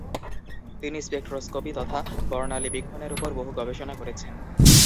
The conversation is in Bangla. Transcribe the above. তিনি স্পেকট্রোস্কপি তথা বর্ণালীবীক্ষণের উপর বহু গবেষণা করেছেন।